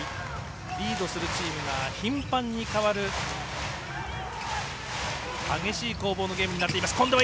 リードするチームが頻繁に変わる激しい攻防のゲームになっています。